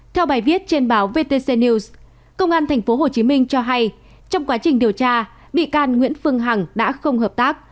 theo bài viết trên báo vtc news công an tp hcm cho hay trong quá trình điều tra bị can nguyễn phương hằng đã không hợp tác